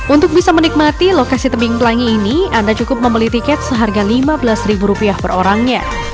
untuk bisa menikmati lokasi tebing pelangi ini anda cukup membeli tiket seharga lima belas ribu rupiah per orangnya